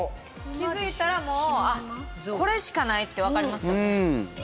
気付いたら、もうこれしかないって分かりますよね。